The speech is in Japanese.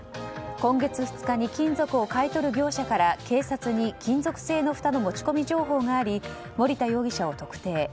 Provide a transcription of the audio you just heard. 今月２日に金属を買い取る業者から警察に金属製のふたの持ち込み情報があり森田容疑者を特定。